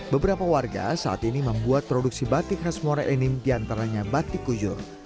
beberapa warga saat ini membuat produksi batik khas mora enim di antaranya batik kujur